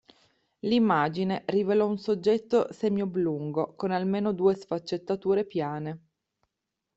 L'immagine rivelò un oggetto semi-oblungo con almeno due sfaccettature piane.